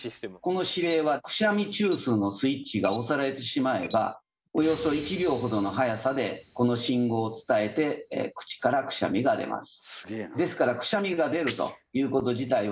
この指令はくしゃみ中枢のスイッチが押されてしまえばおよそ１秒ほどの速さでこの信号を伝えて口からくしゃみが出ます。